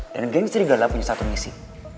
dan geng serigala punya satu misi